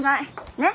ねっ？